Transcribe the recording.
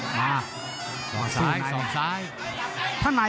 หรือสาวสาย